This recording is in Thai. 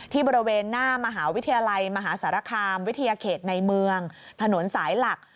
บริเวณหน้ามหาวิทยาลัยมหาสารคามวิทยาเขตในเมืองถนนสายหลัก